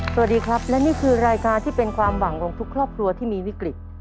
สวัสดีครับและนี่คือรายการที่เป็นความหวังของทุกครอบครัวที่มีวิกฤต